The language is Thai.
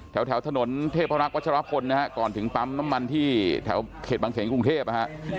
แถวถนนเทพรักษวัชรพลนะฮะก่อนถึงปั๊มน้ำมันที่แถวเขตบางเขนกรุงเทพนะฮะ